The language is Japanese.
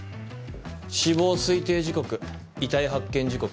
死亡推定時刻遺体発見時刻